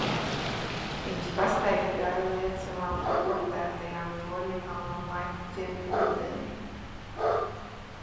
Pirms pastaigas gāju liet savām deportētajām Torņakalna maijpuķēm ūdeni.